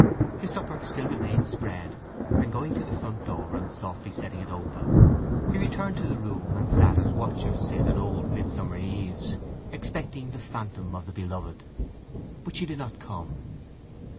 His supper still remained spread, and going to the front door, and softly setting it open, he returned to the room and sat as watchers sit on Old Midsummer eves, expecting the phantom of the Beloved. But she did not come.